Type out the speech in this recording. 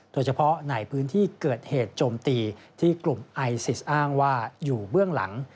โดยเฉพาะในพื้นที่เกิดเหตุโจมตีที่กลุ่มไอซิสอ้างว่าอยู่เบื้องหลัง